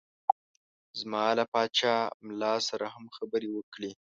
ما له پاچا ملا سره هم خبرې وکړې.